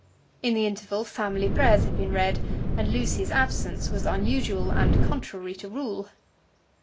In the interval family prayers had been read, and Lucy's absence was unusual and contrary to rule.